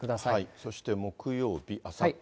そして木曜日、あさって。